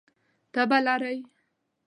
تبه لرئ؟